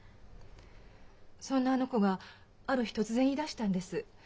そんなあの子がある日突然言いだしたんです。